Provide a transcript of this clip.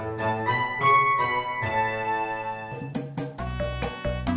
kangen gua itu ga